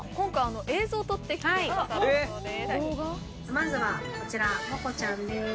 まずはこちらモコちゃんです